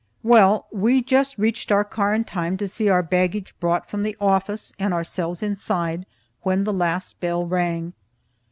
Well, we just reached our car in time to see our baggage brought from the office and ourselves inside, when the last bell rang.